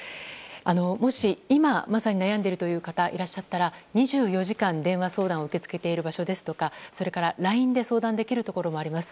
もし、今まさに悩んでいるという方いらっしゃったら２４時間電話相談を受け付けている場所ですとかそれからＬＩＮＥで相談できるところもあります。